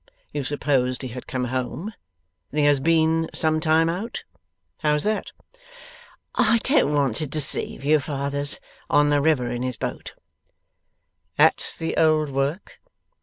You supposed he had come home? Then he has been some time out? How's that?' 'I don't want to deceive you. Father's on the river in his boat.' 'At the old work?